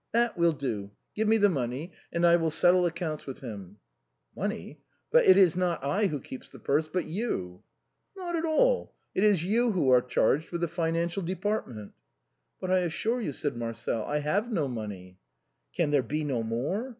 " That we'll do. Give me the money, and I will settle accounts with him." " Money ! But it is not I who keeps the purse, but you." " Not at all ! It is you who are charged with the financial department." THE BILLOWS OF PACTOLUS. 89 " But I assure you," said Marcel, " I have no money." " Can there be no more